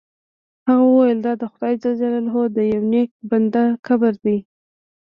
هغه وویل دا د خدای جل جلاله د یو نیک بنده قبر دی.